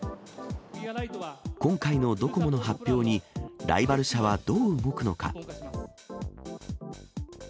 今回のドコモの発表に、ライバル社はどう動くのか。